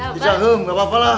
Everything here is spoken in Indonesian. di caheng nggak apa apa lah